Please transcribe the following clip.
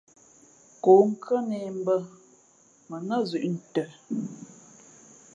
Kǒnkhʉ́ά nē mbᾱ mα nά zʉ̌ʼ ntə.